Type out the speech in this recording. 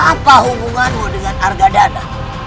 apa hubunganmu dengan argadana